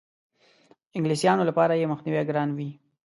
انګلیسیانو لپاره یې مخنیوی ګران وي.